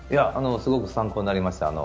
すごく参考になりました。